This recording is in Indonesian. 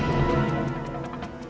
tidak ada apa apa